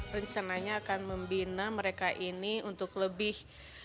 rencananya akan membina mereka ini untuk lebih